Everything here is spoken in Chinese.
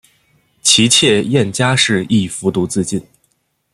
其妾燕佳氏亦服毒自尽。